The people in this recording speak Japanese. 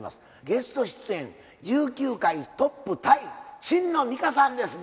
ゲスト出演１９回トップタイ神野美伽さんです。